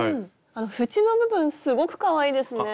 あの縁の部分すごくかわいいですね。